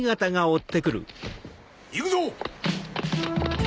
行くぞ！